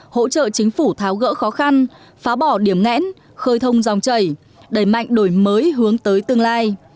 hỗ trợ chính phủ tháo gỡ khó khăn phá bỏ điểm ngẽn khơi thông dòng chảy đẩy mạnh đổi mới hướng tới tương lai